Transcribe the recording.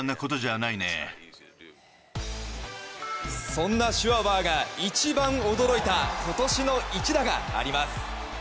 そんなシュワバーが一番驚いた今年の一打があります。